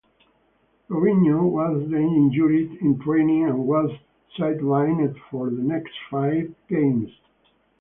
Robinho was then injured in training and was sidelined for the next five games.